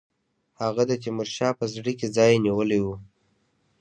هغه د تیمورشاه په زړه کې ځای نیولی وو.